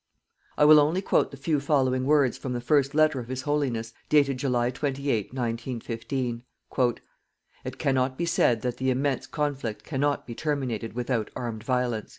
I will only quote the few following words from the first letter of His Holiness, dated July 28, 1915: "_It cannot be said that the immense conflict cannot be terminated without armed violence.